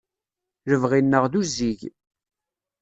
Lebɣi-nneɣ d uzzig.